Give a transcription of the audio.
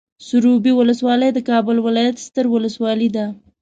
سروبي ولسوالۍ د کابل ولايت ستر ولسوالي ده.